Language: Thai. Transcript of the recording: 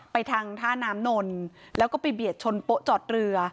ไปทางท่าน้ำนนแล้วก็ไปเบียดชนโป๊ะจอดเรือ